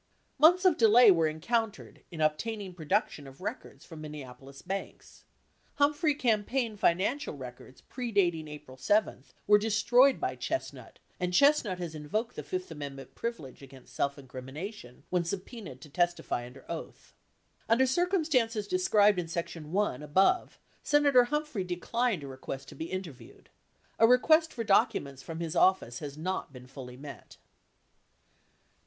Months of delay were encountered in obtaining production of records from Minneapolis banks. Humphrey campaign financial records pre dating April 7 were destroyed by Chestnut, and Chestnut has invoked the Fifth Amendment privilege, against self incrimination when subpoenaed to testify under oath. Under circumstances described in Section I above, Senator Humphrey declined a request to be interviewed. 58 A request for documents from his office has not been fully met.